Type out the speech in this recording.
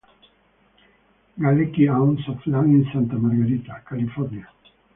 Galecki owns of land in Santa Margarita, California.